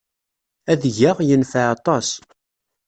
Adeg-a yenfeɛ aṭas.